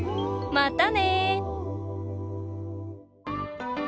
またね！